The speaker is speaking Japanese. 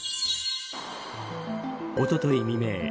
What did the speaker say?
おととい未明